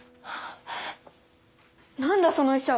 何だその医者！